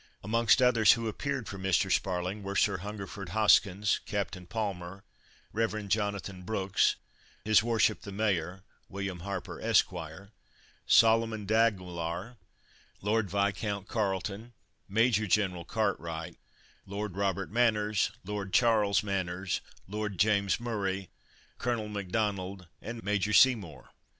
Amongst others who appeared for Mr. Sparling were Sir Hungerford Hoskins, Captain Palmer, Rev. Jonathan Brooks, His Worship the Mayor (William Harper, Esq.), Soloman D'Aguilar, Lord Viscount Carleton, Major General Cartwright, Lord Robert Manners, Lord Charles Manners, Lord James Murray, Colonel M'Donald, and Major Seymour.